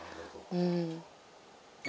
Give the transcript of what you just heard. うん。